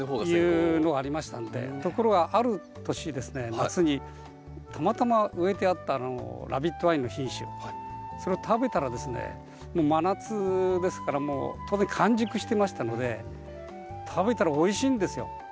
ところがある年夏にたまたま植えてあったラビットアイの品種それを食べたらですねもう真夏ですから当然完熟してましたので食べたらおいしいんですよ。